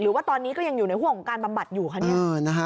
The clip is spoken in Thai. ว่าตอนนี้ก็ยังอยู่ในห่วงของการบำบัดอยู่คะเนี่ย